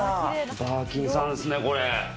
バーキンさんっすね、これ。